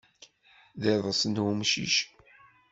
D iḍes n umcic.